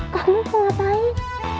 kamu mau ngapain